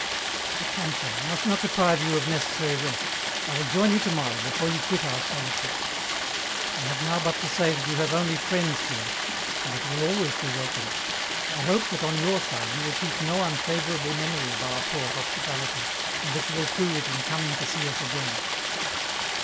... But come, sir, I must not deprive you of necessary rest, 1 will join you to morrow, before you quit our solitude. I have now but to say that you have only friends here, and that you will be always welcome. I hope that on your side you will keep no unfavourable memory of our poor hospitality, and that you will prove it in coming to see us again."